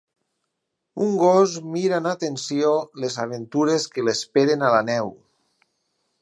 Un gos mira amb atenció les aventures que l'esperen a la neu.